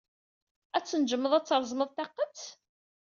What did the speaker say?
Ad tnejjmed ad treẓmed taqqet?